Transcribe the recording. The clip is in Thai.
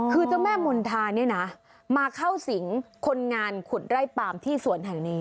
คือเจ้าแม่มณฑาเนี่ยนะมาเข้าสิงคนงานขุดไร่ปามที่สวนแห่งนี้